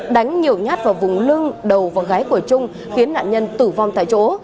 đánh nhiều nhát vào vùng lưng đầu và gái của trung khiến nạn nhân tử vong tại chỗ